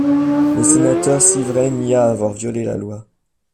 Le sénateur Syvret nia avoir violé la loi.